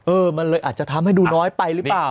มันเลยอาจจะทำให้ดูน้อยไปหรือเปล่า